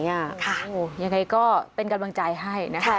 ยังไงก็เป็นกำลังใจให้นะคะ